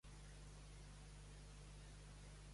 Josep Batlló Samón va ser un escriptor nascut a Barcelona.